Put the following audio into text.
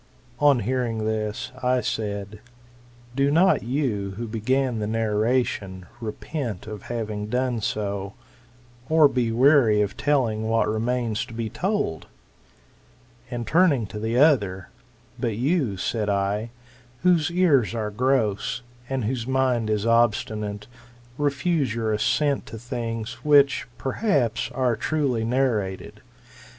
^ On hearing this, I said, Do not you, who began the narration, repent of having done so, or be weary of telling what remains to be told l,;#l\nd turning to the other ; But you, said I, whose ears are gross, and whose mind is obstinate, refuse your assent to things which, perhaps, are truly narrated.